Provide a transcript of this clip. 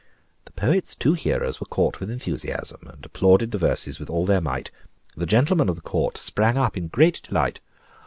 The poet's two hearers were caught with enthusiasm, and applauded the verses with all their might. The gentleman of the Court sprang up in great delight.